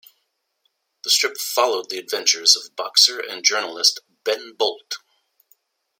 The strip followed the adventures of boxer and journalist Ben Bolt.